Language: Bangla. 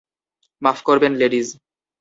মাফ করবেন লেডিজ।